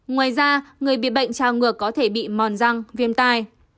ngoài ra người bị bệnh trào ngược có thể bị mòn răng viêm tai